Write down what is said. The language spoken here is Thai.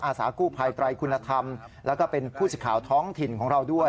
สากู้ภัยไตรคุณธรรมแล้วก็เป็นผู้สิทธิ์ท้องถิ่นของเราด้วย